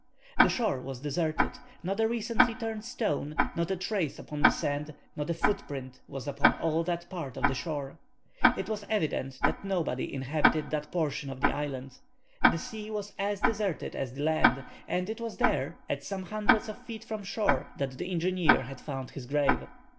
The shore was deserted. Not a recently turned stone, not a trace upon the sand, not a footprint, was upon all that part of the shore. It was evident that nobody inhabited that portion of the island. The sea was as deserted as the land; and it was there, at some hundreds of feet from shore, that the engineer had found his grave.